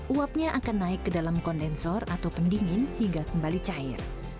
uapnya akan naik ke dalam kondensor atau pendingin hingga kembali cair